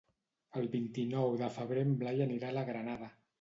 El vint-i-nou de febrer en Blai anirà a la Granada.